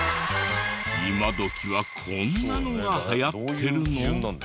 今どきはこんなのが流行ってるの？